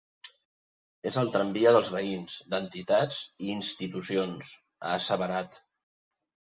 És el tramvia dels veïns, d’entitats i institucions, ha asseverat.